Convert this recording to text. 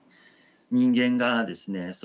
人間がですね